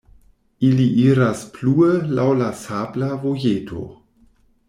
Ili iras plue laŭ la sabla vojeto.